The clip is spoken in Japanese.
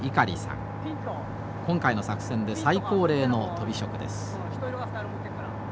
今回の作戦で最高齢のとび職です。